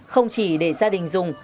không chỉ để gia đình dùng